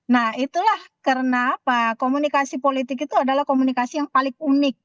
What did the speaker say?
nah itulah karena apa komunikasi politik itu adalah komunikasi yang paling unik